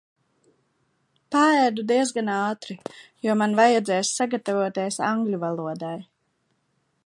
Paēdu diezgan ātri, jo man vajadzēs sagatavoties angļu valodai.